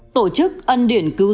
tổ chức ân điển cứu rỗi